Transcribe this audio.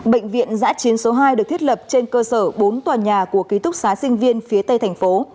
bệnh viện giã chiến số hai được thiết lập trên cơ sở bốn tòa nhà của ký túc xá sinh viên phía tây thành phố